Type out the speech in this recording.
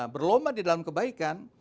berlomba di dalam kebaikan